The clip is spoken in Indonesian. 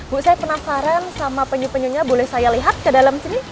bu saya penasaran sama penyu penyunya boleh saya lihat ke dalam sini